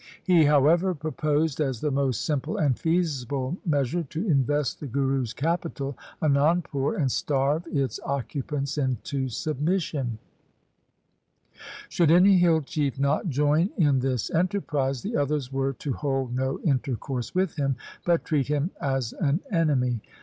He, however, proposed as the most LIFE OF GURU GOBIND SINGH 127 simple and feasible measure, to invest the Guru's capital, Anandpur, and starve its occupants into submission. Should any hill chief not join in this enterprise, the others were to hold no intercourse with him, but treat him as an enemy.